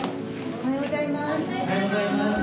おはようございます。